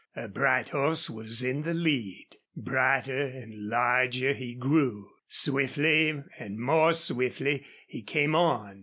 A bright horse was in the lead. Brighter and larger he grew. Swiftly and more swiftly he came on.